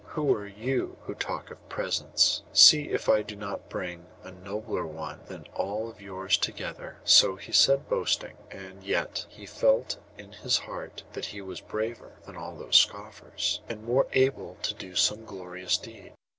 who are you who talk of presents? See if I do not bring a nobler one than all of yours together!' So he said boasting; and yet he felt in his heart that he was braver than all those scoffers, and more able to do some glorious deed.